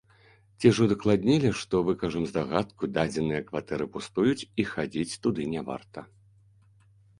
Ці ж удакладнілі, што, выкажам здагадку, дадзеныя кватэры пустуюць, і хадзіць туды не варта.